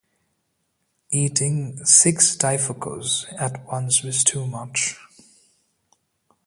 Eating six daifukus at once was too much.